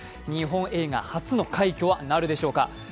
日本映画初の快挙はなるでしょうか？